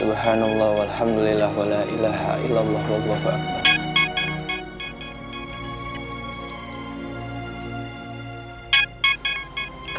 alhamdulillah walailahaillallah wabarakatuh